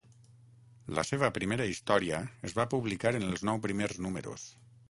La seva primera història es va publicar en els nou primers números.